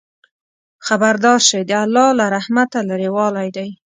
خبردار شئ! د الله له رحمته لرېوالی دی.